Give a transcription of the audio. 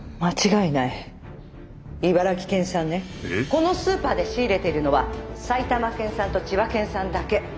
このスーパーで仕入れているのは埼玉県産と千葉県産だけ。